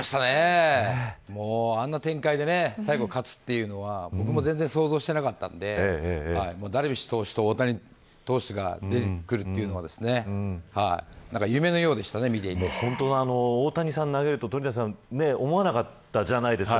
あんな展開で最後勝つっていうのは僕も全然想像していなかったのでダルビッシュ投手と大谷投手が出て来るというのは大谷さんが投げると思わなかったじゃないですか。